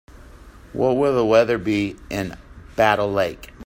What will the weather be in Battle Lake?